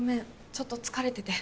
ちょっと疲れてて。